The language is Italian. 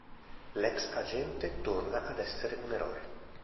L'ex agente torna ad essere un eroe.